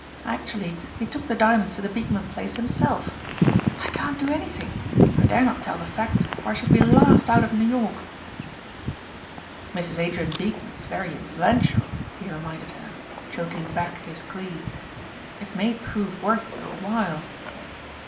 Actually he took the diamonds to the Beekman place himself. I can't do anything. I dare not tell the facts or I should be laughed out of New York." "Mrs. Adrien Beekman is very influential," he reminded her, choking back his glee, "it may prove worth your while."